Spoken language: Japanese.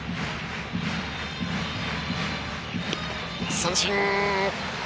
三振。